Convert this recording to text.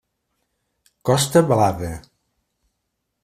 Costa Blava.